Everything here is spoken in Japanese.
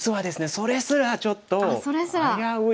それすらちょっと危うい。